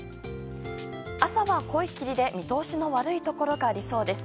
朝は濃い霧で、見通しの悪いところがありそうです。